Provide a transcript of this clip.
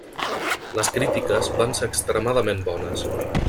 Les crítiques van ser extremadament bones.